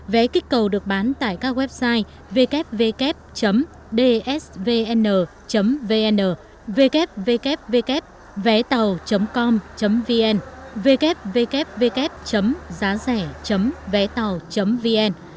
vé kích cầu được bán tại các website www dsvn vn www vétàu com vn www giázẻ vétàu vn